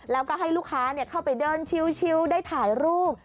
แล้วก็ให้ลูกค้าเข้าไปเดินชิวได้ถ่ายรูป